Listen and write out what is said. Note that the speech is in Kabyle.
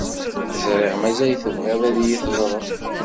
Ẓriɣ mazal tebɣiḍ ad iyi-teẓreḍ.